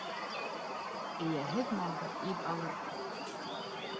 Эйәһеҙ малды ил алыр